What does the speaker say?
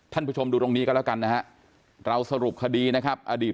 ท่านผู้ชมดูตรงนี้ก็แล้วกันนะฮะเราสรุปคดีนะครับอดีต